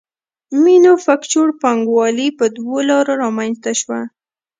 مینوفکچور پانګوالي په دوو لارو رامنځته شوه